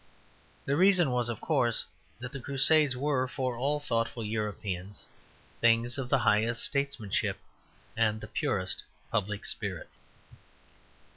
The reason was, of course, that the Crusades were, for all thoughtful Europeans, things of the highest statesmanship and the purest public spirit.